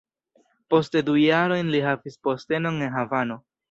Poste du jarojn li havis postenon en Havano.